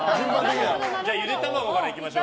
ゆで卵からいきましょう。